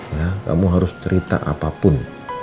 ya kamu harus cerita apapun